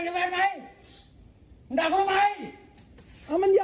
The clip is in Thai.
ขอบคุณพระเจ้า